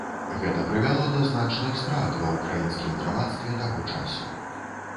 Гэта прывяло да значных страт ва ўкраінскім грамадстве таго часу.